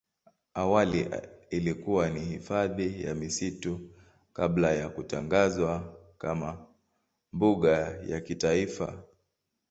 Awali ilikuwa ni hifadhi ya misitu kabla ya kutangazwa kama mbuga ya kitaifa.